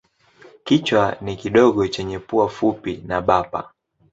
Kichwa ni kidogo chenye pua fupi na bapa.